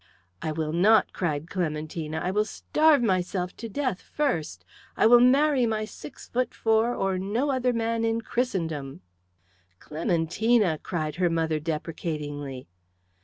"I will not," cried Clementina; "I will starve myself to death first. I will marry my six feet four or no other man in Christendom." "Clementina!" cried her mother, deprecatingly.